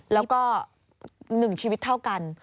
แล้วก็หนึ่งชีวิตเท่ากัน